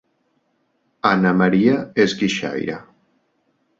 Anna Maria és guixaire